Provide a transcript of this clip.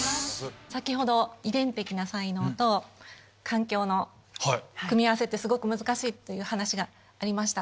先ほど遺伝的な才能と環境の組み合わせってすごく難しいという話がありました。